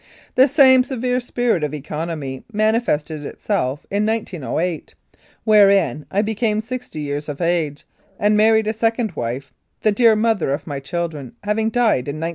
The same severe spirit of economy mani fested itself in 1908, wherein I became sixty years of age, and married a second wife, the dear mother of my children having died in 1906.